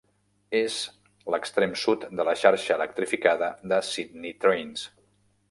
És l'extrem sud de la xarxa electrificada de Sydney Trains.